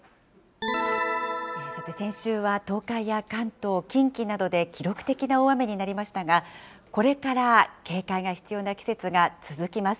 さて、先週は東海や関東、近畿などで記録的な大雨になりましたが、これから警戒が必要な季節が続きます。